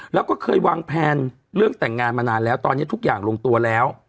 แล้วก็เคยวางแผนเรื่องแต่งงานมานานแล้วตอนนี้ทุกอย่างลงตัวแล้ว